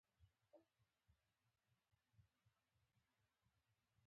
کرايه يي جګړه ماران د استخباراتي پروپوزلونو له مخې عيار شي.